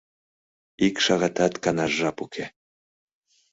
Ик шагатат канаш жап уке...